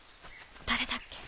誰だっけ？